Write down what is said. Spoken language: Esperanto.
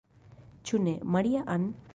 Ĉu ne, Maria-Ann?